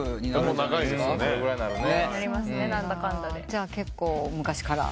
じゃあ結構昔から？